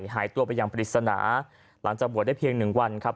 หายตัวไปอย่างปริศนาหลังจากบวชได้เพียง๑วันครับ